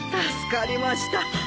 助かりました。